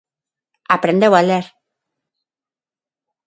Aprendeu a ler.